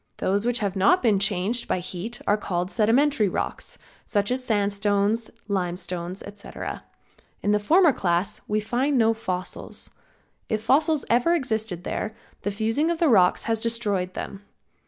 Those which have not been changed by heat are called sedimentary rocks, such as sandstones, limestones, etc. In the former class we find no fossils. If fossils ever existed there, the fusing of the rocks has destroyed them.